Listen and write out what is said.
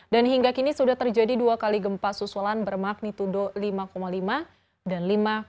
dan hingga kini sudah terjadi dua kali gempa susulan bermagnitudo lima lima dan lima enam